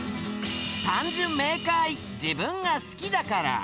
単純明快、自分が好きだから。